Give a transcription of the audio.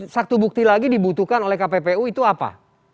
satu bukti lagi dibutuhkan oleh kppu itu apa